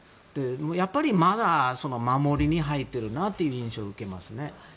やっぱりまだ守りに入っているなという印象を受けますね。